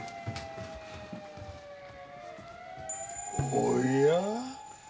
おや？